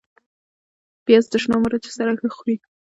پیاز د شنو مرچو سره ښه خوري